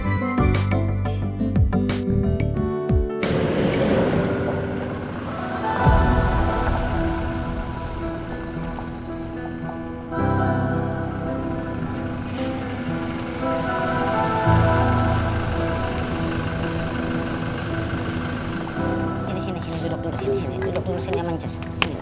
duduk dulu sini ya mancus